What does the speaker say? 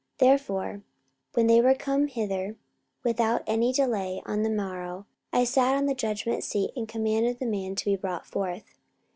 44:025:017 Therefore, when they were come hither, without any delay on the morrow I sat on the judgment seat, and commanded the man to be brought forth.